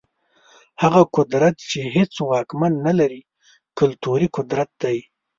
هغه قدرت چي هيڅ واکمن نلري، کلتوري قدرت دی.